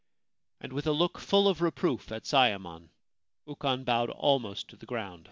And, with a look full of reproof at Sayemon, Ukon bowed almost to the ground.